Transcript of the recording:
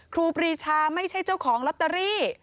ครูปรีชาไม่ใช่เจ้าของลอตเตอรี่